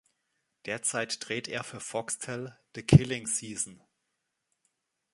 Derzeit dreht er für Foxtel „The Killing Season“.